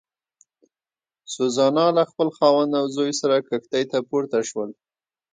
سوزانا له خپل خاوند او زوی سره کښتۍ ته پورته شول.